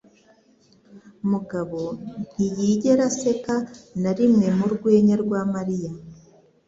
Mugabo ntiyigera aseka na rimwe mu rwenya rwa Mariya.